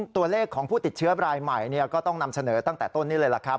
ตัวเลขของผู้ติดเชื้อรายใหม่ก็ต้องนำเสนอตั้งแต่ต้นนี้เลยล่ะครับ